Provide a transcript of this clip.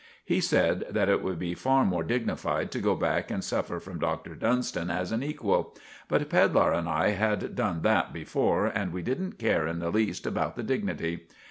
He said that it would be far more dignified to go back and suffer from Dr. Dunstan as an equal; but Pedlar and I had done that before, and we didn't care in the least about the dignity.